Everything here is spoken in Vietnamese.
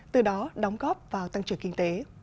từ đó đóng góp vào tăng trưởng kinh tế